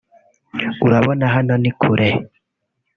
urabona hano ni kure